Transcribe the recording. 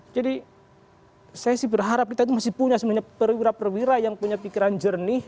jadi saya sih berharap kita itu masih punya perwira perwira yang punya pikiran jernih